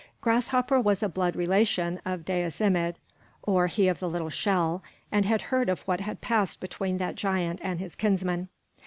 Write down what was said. Grasshopper was a blood relation of Dais Imid, or He of the Little Shell, and had heard of what had passed between that giant and his kinsman.